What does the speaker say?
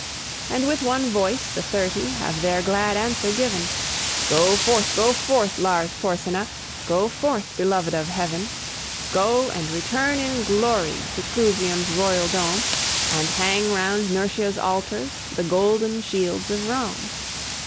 And with one voice the Thirty Have their glad answer given: "Go forth, go forth, Lars Porsena; Go forth, beloved of Heaven; Go, and return in glory To Clusium's royal dome; And hang round Nurscia's altars The golden shields of Rome."